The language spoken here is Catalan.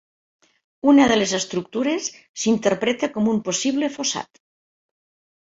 Una de les estructures s'interpreta com un possible fossat.